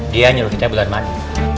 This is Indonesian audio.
dia nyuruh kita bulan madu